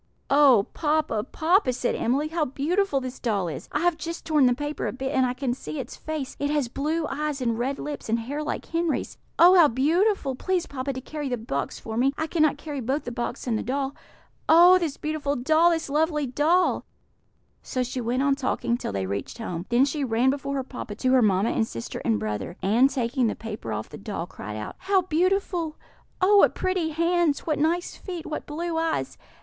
"Oh, papa, papa!" said Emily, "how beautiful this doll is! I have just torn the paper a bit, and I can see its face; it has blue eyes and red lips, and hair like Henry's. Oh, how beautiful! Please, papa, to carry the box for me; I cannot carry both the box and the doll. Oh, this beautiful doll! this lovely doll!" So she went on talking till they reached home; then she ran before her papa to her mamma and sister and brother, and, taking the paper off the doll, cried out: "How beautiful! Oh, what pretty hands! What nice feet! What blue eyes!